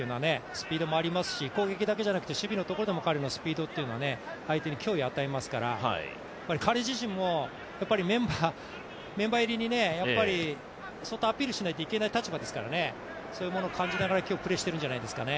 スピードもありますし、攻撃だけじゃなく守備のところでも彼のスピードっていうのは相手に脅威を与えますから、彼自身もメンバー入りに相当アピールしないといけない立場ですからね、そういうものを感じながら今日プレーしているんじゃないですかね。